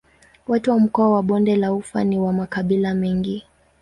Watu wa mkoa wa Bonde la Ufa ni wa makabila mengi.